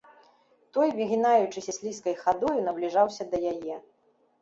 Той, выгінаючыся слізкай хадою, набліжаўся да яе.